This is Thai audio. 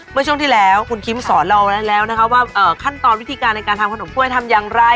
เมื่อช่วงที่แล้วคุณคิมสอนเราแล้วนะคะว่าขั้นตอนวิธีการในการทำขนมกล้วยทำอย่างไร